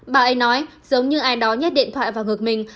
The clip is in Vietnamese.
bà ấy nói giống như ai đó nhét điện thoại vào ngược mình